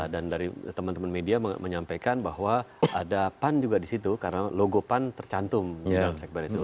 dan dari teman teman media menyampaikan bahwa ada pan juga di situ karena logo pan tercantum di dalam sekber itu